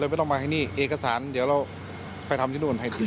ไม่ต้องมาที่นี่เอกสารเดี๋ยวเราไปทำที่นู่นให้ที